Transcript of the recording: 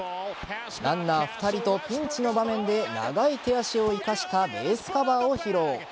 ランナー２人とピンチの場面で長い手足を生かしたベースカバーを披露。